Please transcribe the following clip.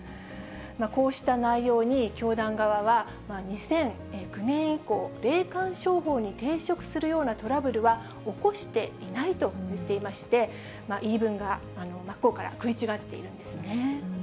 こうした内容に、教団側は、２００９年以降、霊感商法に抵触するようなトラブルは起こしていないといっていまして、言い分が真っ向から食い違っているんですね。